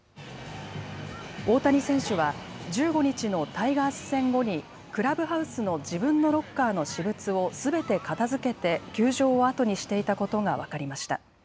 大谷選手は１５日のタイガース戦後にクラブハウスの自分のロッカーの私物をすべて片づけて球場を後にしていたことが分かりました。